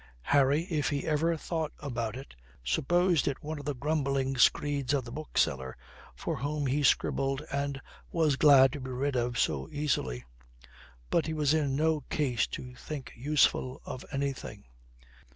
Harry, if he ever thought about it, supposed it one of the grumbling screeds of the bookseller for whom he scribbled and was glad to be rid of it so easily. But he was in no case to think usefully of anything.